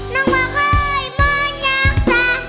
นังว่าเฮ้ยมันอยากสา